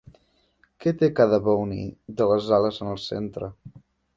Què té cada bony de les ales en el centre?